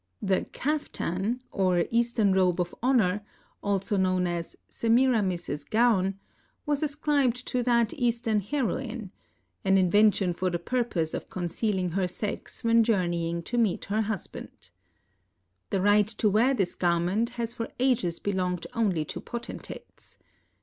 The Caftan, or Eastern robe of honor, also known as " Semiramis's Gown," was ascribed to that Eastern heroine, — an invention for the purpose of concealing her sex when journeying to meet her husband. The right to wear this garment has for ages belonged only to potentates.